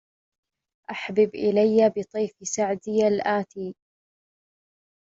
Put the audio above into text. أحبب إلي بطيف سعدى الآتي